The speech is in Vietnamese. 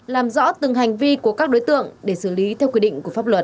làm rõ từng hành vi của các đối tượng để xử lý theo quy định của pháp luật